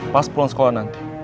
pas pulang sekolah nanti